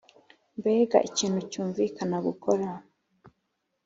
mbega ikintu cyumvikana gukora!